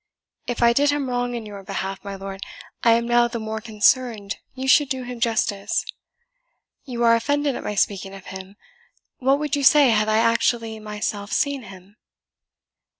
If I did him wrong in your behalf, my lord, I am now the more concerned you should do him justice. You are offended at my speaking of him, what would you say had I actually myself seen him?"